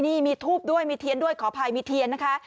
นี่มีทูบด้วยมีเทียนด้วยขออภัยมีเทียนนะคะ